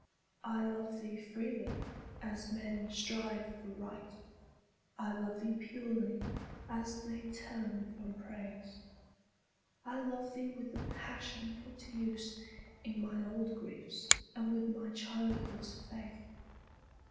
I love thee freely, as men strive for Right; I love thee purely, as they turn from Praise. I love thee with the passion put to use In my old griefs, and with my childhood's faith.